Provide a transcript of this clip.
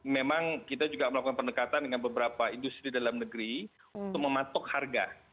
memang kita juga melakukan pendekatan dengan beberapa industri dalam negeri untuk mematok harga